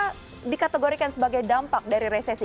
bisa dikategorikan sebagai dampak dari resesi